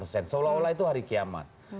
seolah olah itu hari kiamat